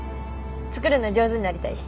作るの上手になりたいし。